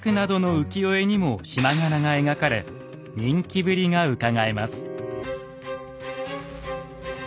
浮世絵にも縞柄が描かれ人気ぶりがうかがえます。